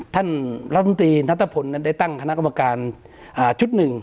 ท่านระวังตีนทัศน์ผลได้ตั้งคณะกรรมการชุด๑